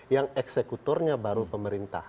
yang eksekuturnya baru pemerintah